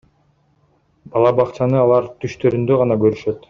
Бала бакчаны алар түштөрүндө гана көрүшөт.